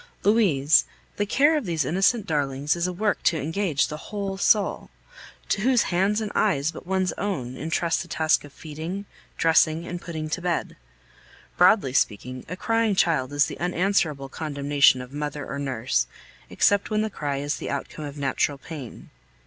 Louise, the care of these innocent darlings is a work to engage the whole soul. To whose hand and eyes, but one's own, intrust the task of feeding, dressing, and putting to bed? Broadly speaking, a crying child is the unanswerable condemnation of mother or nurse, except when the cry is the outcome of natural pain.